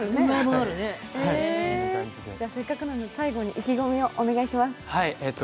せっかくなので最後に意気込みをお願いします。